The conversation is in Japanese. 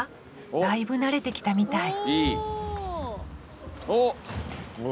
だいぶ慣れてきたみたいおお！